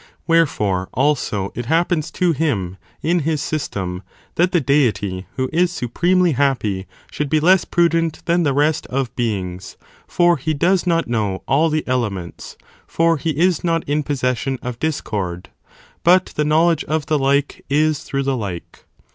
Wherefore, also, it happens to him, in his 4. This proved system, that the Deity, who is supremely happy, {^^of^GodT should be less prudent than the rest of beings, for he does not know all the elements, for he is not in possession of discord; but the knowledge of the like is through the like.